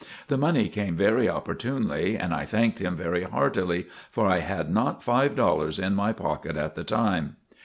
The money came very opportunely and I thanked him very heartily, for I had not five dollars in my pocket at the time.